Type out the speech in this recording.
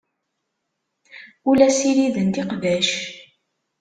Ur la ssirident iqbac.